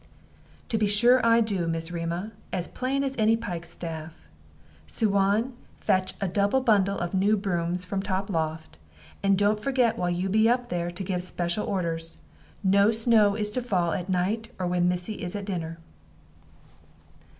"To be sure I do, Miss Rema, as plain as any pikestaff. Suan, fetch a double bundle of new brooms from top loft, and don't forget while you be up there to give special orders no snow is to fall at night or when missy is at dinner."